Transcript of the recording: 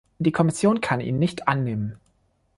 Die Kommission kann ihn nicht annehmen.